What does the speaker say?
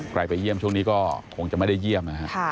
ไปเยี่ยมช่วงนี้ก็คงจะไม่ได้เยี่ยมนะฮะ